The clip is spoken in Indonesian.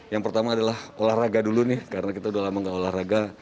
yang pertama adalah olahraga dulu nih karena kita udah lama gak olahraga